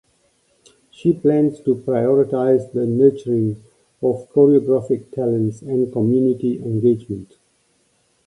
She plans to prioritize the nurturing of choreographic talents and community engagement.